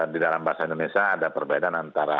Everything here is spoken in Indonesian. di dalam bahasa indonesia ada perbedaan antara